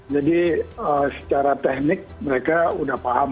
jadi secara teknik mereka sudah paham